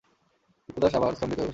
বিপ্রদাস আবার স্তম্ভিত হয়ে বসে রইল।